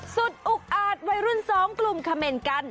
สุดอุ๊กอาดวัยรุ่นสองกลุ่มขมเมนท์กัน